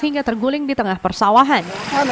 hingga terguling di tengah persawahan